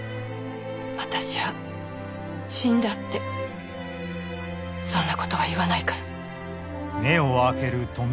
私は死んだってそんな事は言わないから。